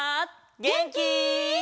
げんき？